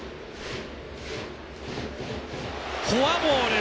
フォアボール。